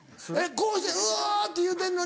こうして「うぅ！」って言うてるのに。